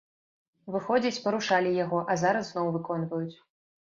Выходзіць, парушалі яго, а зараз зноў выконваюць.